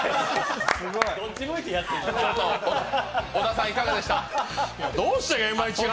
小田さん、いかがでした？